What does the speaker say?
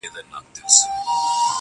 • تدبیر تر تباهۍ مخکي -